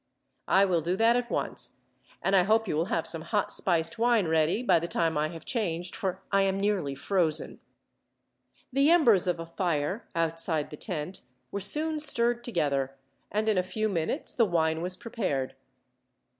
"I will do that at once, and I hope you will have some hot spiced wine ready, by the time I have changed, for I am nearly frozen." The embers of a fire, outside the tent, were soon stirred together, and in a few minutes the wine was prepared.